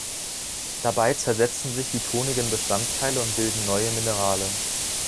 Dabei zersetzen sich die tonigen Bestandteile und bilden neue Minerale.